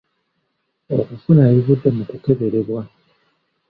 Okufuna ebivudde mu kukeberebwa.